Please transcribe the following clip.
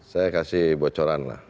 saya kasih bocoran lah